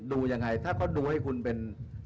ดูยังไงถ้าเขาดูให้คุณเป็น